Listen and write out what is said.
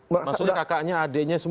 maksudnya kakaknya adiknya semua